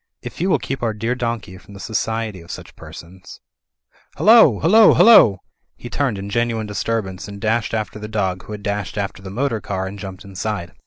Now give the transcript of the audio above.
If you will keep our dear donkey from the society of such persons — Hullo ! Hullo ! Hullo !" He turned in genuine disturbance, and dashed after the dog, who had dashed after the motor car and jumped inside.